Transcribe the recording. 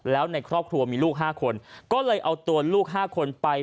แล้วในครอบครัวมีลูก๕คนก็เลยเอาตัวลูก๕คนไป